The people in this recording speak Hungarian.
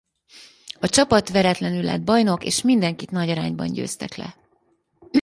A csapat veretlenül lett bajnok és mindenkit nagy arányban győztek le.